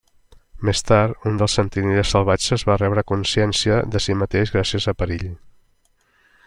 Més tard, un dels Sentinelles Salvatges va rebre consciència de si mateix gràcies a Perill.